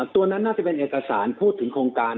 ตัวนั้นน่าจะเป็นเอกสารพูดถึงโครงการ